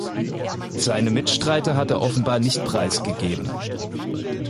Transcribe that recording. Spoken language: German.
Seine Mitstreiter hat er offenbar nicht preisgegeben.